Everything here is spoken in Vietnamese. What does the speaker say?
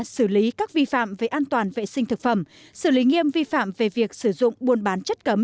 xử lý các vi phạm về an toàn vệ sinh thực phẩm xử lý nghiêm vi phạm về việc sử dụng buôn bán chất cấm